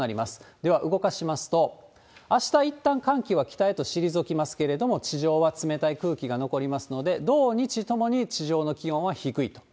出は動かしますと、あしたいったん寒気は北へと退きますけれども、地上は冷たい空気が残りますので、土、日ともに気温は低いと。